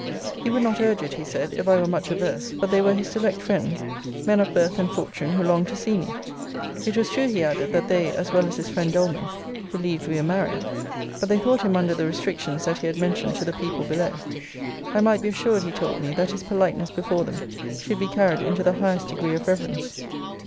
He would not urge it, he said, if I were much averse: but they were his select friends; men of birth and fortune, who longed to see me. It was true, he added, that they, as well as his friend Doleman, believed we were married: but they thought him under the restrictions that he had mentioned to the people below. I might be assured, he told me, that his politeness before them should be carried into the highest degree of reverence.